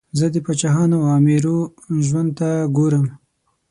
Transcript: زه د پاچاهانو او امیرو ژوند ته ګورم.